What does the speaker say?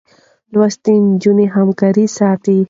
لوستې نجونې همکاري ساتي.